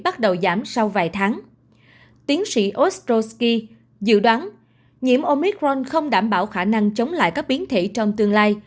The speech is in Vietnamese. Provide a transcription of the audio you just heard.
tiếm omicron không đảm bảo khả năng chống lại các biến thể trong tương lai